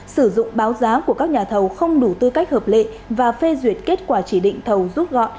sử dụng báo giá của các nhà thầu không đủ tư cách hợp lệ và phê duyệt kết quả chỉ định thầu rút gọn